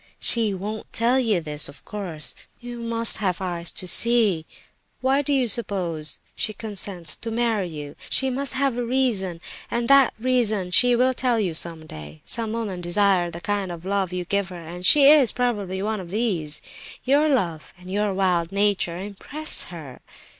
She won't tell you this, of course; you must have eyes to see. Why do you suppose she consents to marry you? She must have a reason, and that reason she will tell you some day. Some women desire the kind of love you give her, and she is probably one of these. Your love and your wild nature impress her.